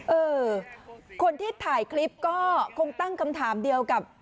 เออคนที่ถ่ายคลิปก็คงตั้งคำถามเดียวกับ